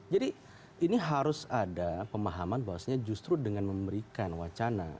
jadi ini harus ada pemahaman bahwasannya justru dengan memberikan wacana